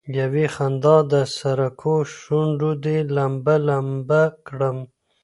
يوې خندا د سركو شونډو دي لمبه، لــمــبــه كړم